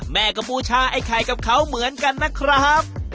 แม่ก็บูชาไอ้ไข่กับเขาเหมือนกันนะครับ